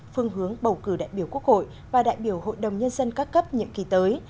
phương hướng bầu cử đại biểu quốc hội và đại biểu hội đồng nhân dân các cấp nhiệm kỳ tới